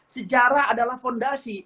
sejarah adalah fondasi